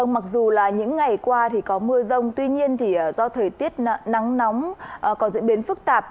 mặc dù những ngày qua có mưa rông tuy nhiên do thời tiết nắng nóng còn diễn biến phức tạp